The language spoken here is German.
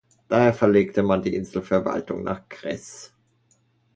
Daher verlegte man die Inselverwaltung nach Cres.